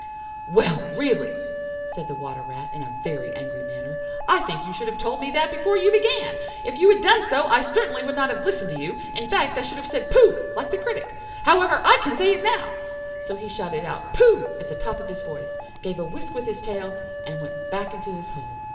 "Well, really," said the Water rat, in a very angry manner, "I think you should have told me that before you began. If you had done so, I certainly would not have listened to you; in fact, I should have said 'Pooh,' like the critic. However, I can say it now"; so he shouted out "Pooh" at the top of his voice, gave a whisk with his tail, and went back into his hole.